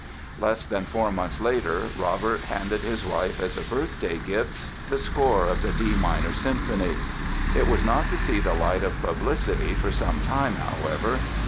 Less than four months later Robert handed his wife as a birthday gift the score of the D minor Symphony. It was not to see the light of publicity for some time, however.